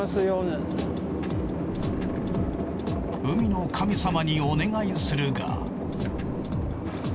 海の神様にお願いするが。